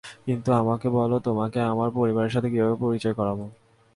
কিন্তু আমাকে বলো তোমাকে আমার পরিবারের সাথে কীভাবে পরিচয় করাবো?